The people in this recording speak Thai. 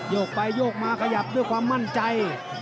โยกไปโยกมาขยับด้วยความมั่นใจ